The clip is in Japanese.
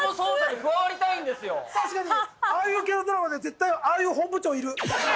確かにああいう系のドラマで絶対ああいう本部長いる